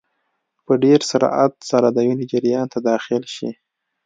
په ډېر سرعت سره د وینې جریان ته داخل شي.